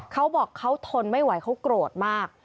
เขาบอกเขาทนไม่ไหวเขาโกรธมาก